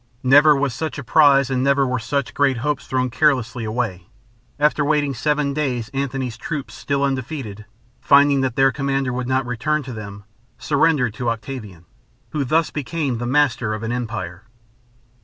Never was such a prize and never were such great hopes thrown carelessly away. After waiting seven days Antony's troops, still undefeated, finding that their commander would not return to them, surrendered to Octavian, who thus became the master of an empire.